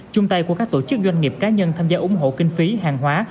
chung tay của các tổ chức doanh nghiệp cá nhân tham gia ủng hộ kinh phí hàng hóa